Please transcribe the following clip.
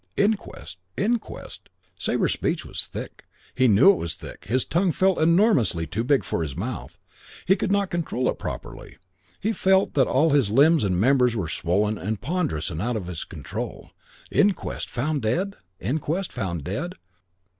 "Inquest? Inquest?" Sabre's speech was thick. He knew it was thick. His tongue felt enormously too big for his mouth. He could not control it properly. He felt that all his limbs and members were swollen and ponderous and out of his control. "Inquest? Found dead? Inquest? Found dead?